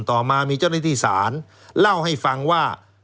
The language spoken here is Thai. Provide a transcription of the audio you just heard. ต่อมามีเจ้าหน้าที่ศาลเล่าให้ฟังว่า